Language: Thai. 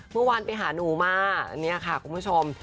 เมื่อวานไปหาหนูมาเนี่ยค่ะคุณผู้ชม